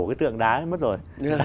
cái tượng đá mất rồi